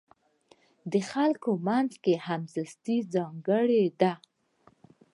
د خلکو منځ کې همزیستي ځانګړې ده.